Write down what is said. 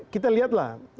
kita lihat lah